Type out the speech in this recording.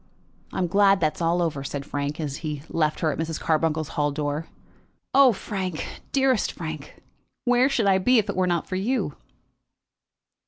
"I am glad that it is over," said Frank, as he left her at Mrs. Carbuncle's hall door. "Oh, Frank, dearest Frank, where should I be if it were not for you?"